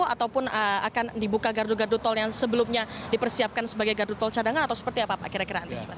ataupun akan dibuka gardu gardu tol yang sebelumnya dipersiapkan sebagai gardu tol cadangan atau seperti apa pak kira kira antisipasi